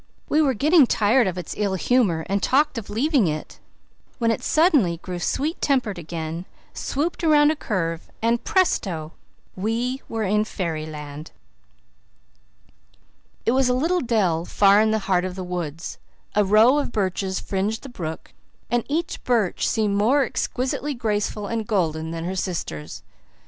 We were getting tired of its ill humour and talked of leaving it, when it suddenly grew sweet tempered again, swooped around a curve and presto, we were in fairyland. It was a little dell far in the heart of the woods. A row of birches fringed the brook, and each birch seemed more exquisitely graceful and golden than her sisters.